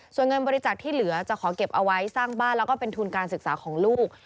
ส่วนเงินบริจาคที่เหลือจะขอเก็บเอาไว้สร้างบ้านแล้วก็เป็นทุนการศึกษาของลูก